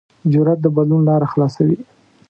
جرأت د بدلون لاره خلاصوي.